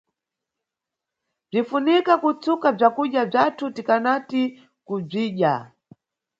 Bzinʼfunika kutsuka bzakudya bzathu tikanati kubzidya.